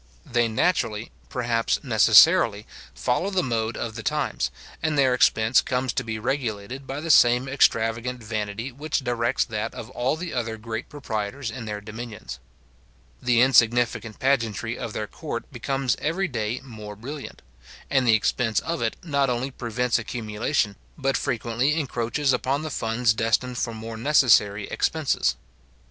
They naturally, perhaps necessarily, follow the mode of the times; and their expense comes to be regulated by the same extravagant vanity which directs that of all the other great proprietors in their dominions. The insignificant pageantry of their court becomes every day more brilliant; and the expense of it not only prevents accumulation, but frequently encroaches upon the funds destined for more necessary expenses.